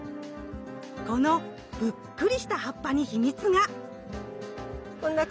このぷっくりした葉っぱに秘密が。